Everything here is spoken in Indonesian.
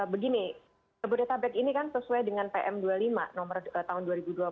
begini jabodetabek ini kan sesuai dengan pm dua puluh lima nomor tahun dua ribu dua puluh